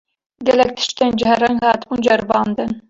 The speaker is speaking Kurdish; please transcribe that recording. Gelek tiştên cihêreng hatibûn ceribandin